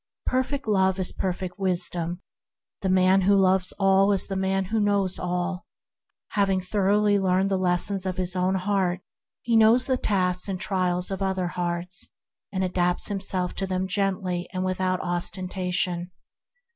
Perfect Love is perfect Wisdom. The man who loves all is the man who knows all. Having thoroughly learned the lessons of his own heart, he knows the tasks and trials of other hearts, and adapts himself 134 THE HEAVENLY LIFE to them gently and without ostentation.